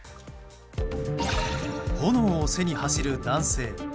炎を背に走る男性。